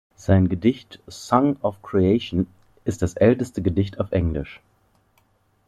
Sein Gedicht "Song of Creation" ist das älteste Gedicht auf Englisch.